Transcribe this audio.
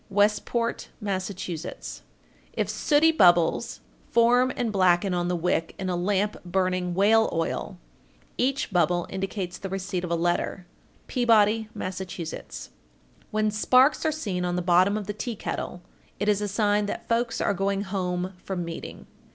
Westport, Mass. 1458. If sooty bubbles form and blacken on the wick in a lamp burning whale oil, each bubble indicates the receipt of a letter. Peabody, Mass. 1459. When sparks are seen on the bottom of the tea kettle, it is a sign that folks are going home from meeting.